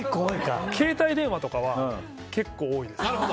携帯電話とかは結構多いです。